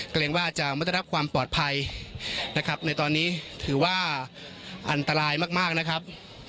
เกรงว่าจะไม่ได้รับความปลอดภัยนะครับในตอนนี้ถือว่าอันตรายมากนะครับ